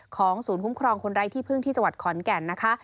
ศูนย์คุ้มครองคนไร้ที่พึ่งที่จังหวัดขอนแก่นนะคะ